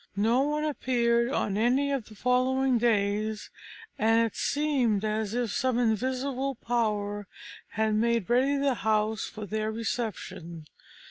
No one appeared on any of the following days, and it seemed as if some invisible power had made ready the house for their reception.